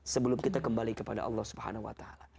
sebelum kita kembali kepada allah swt